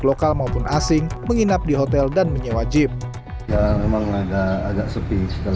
baik lokal maupun asing menginap di hotel dan menyewa jeep